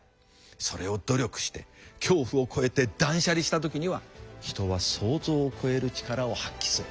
それを努力して恐怖を越えて断捨離した時には人は想像を超える力を発揮する。